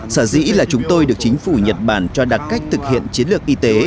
sở dĩ là chúng tôi được chính phủ nhật bản cho đặc cách thực hiện chiến lược y tế